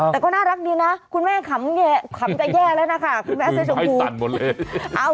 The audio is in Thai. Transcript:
แต่ก็น่ารักดีนะคุณแม่ขำกลังแตะแย่แล้วนะค่ะ